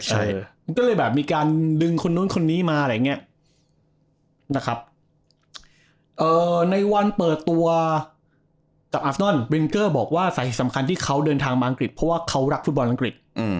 ใช่มันก็เลยแบบมีการดึงคนนู้นคนนี้มาอะไรอย่างเงี้ยนะครับเอ่อในวันเปิดตัวกับอาฟนอนรินเกอร์บอกว่าสาเหตุสำคัญที่เขาเดินทางมาอังกฤษเพราะว่าเขารักฟุตบอลอังกฤษ